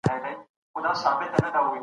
مجاهدین په میدان کي د بریا په لور روان دي.